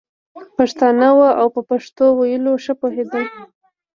پښتانه وو او په پښتو ویلو ښه پوهېدل.